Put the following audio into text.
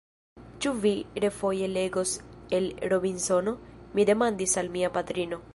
Ĉu vi refoje legos el Robinsono? mi demandis al mia patrino.